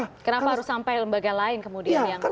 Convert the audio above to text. kenapa harus sampai lembaga lain